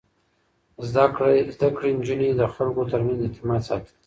زده کړې نجونې د خلکو ترمنځ اعتماد ساتي.